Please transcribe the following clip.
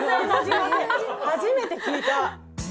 初めて聞いた。